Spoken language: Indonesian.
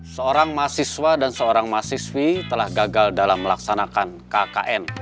seorang mahasiswa dan seorang mahasiswi telah gagal dalam melaksanakan kkn